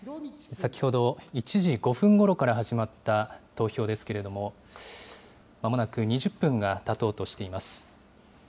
先ほど１時５分ごろから始まった投票ですけれども、まもなく２０分がたとうとしています。